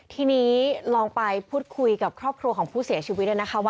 ทีนี้ลองไปพูดคุยกับครอบครัวของผู้เสียชีวิตด้วยนะคะ